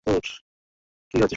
কী হয়েছে, সোনা?